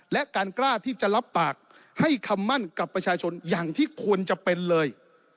และการกล้าที่จะรับปากให้คำมั่นกับประชาชนอย่างที่ควรจะเป็นเลย